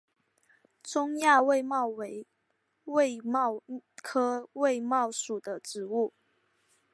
中亚卫矛为卫矛科卫矛属的植物。